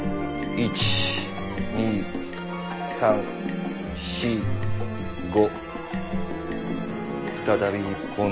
１２３４５。